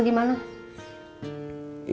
tidak ada salah pengertian